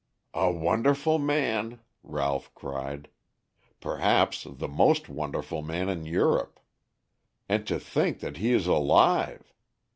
"A wonderful man," Ralph cried; "perhaps the most wonderful man in Europe. And to think that he is alive!